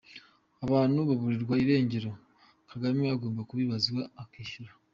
-Abantu baburirwa irengero, Kagame agomba kubibazwa akishyura.